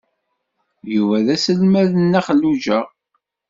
Yuba d aselmad n Nna Xelluǧa.